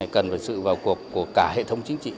cần phải sự vào cuộc của cả hệ thống chính trị